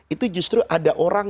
itu justru ada orang